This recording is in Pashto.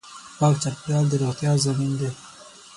پاک چاپېریال د روغتیا ضامن دی.